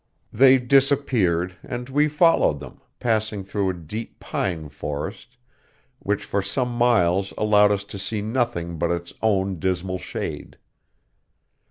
They disappeared, and we followed them, passing through a deep pine forest, which for some miles allowed us to see nothing but its own dismal shade.